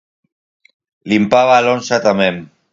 Limpaba a lonxa tamén.